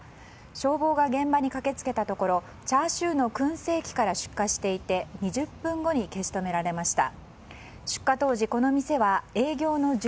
消防が現場に駆け付けたところチャーシューの燻製器から出火していて２０分後に消し止められました。